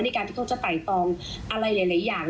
การที่เขาจะไต่ตองอะไรหลายอย่าง